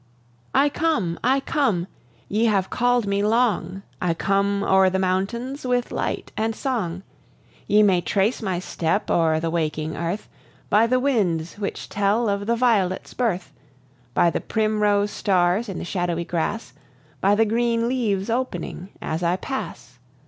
I come, I come! ye have called me long; I come o'er the mountains, with light and song. Ye may trace my step o'er the waking earth By the winds which tell of the violet's birth, By the primrose stars in the shadowy grass, By the green leaves opening as I pass.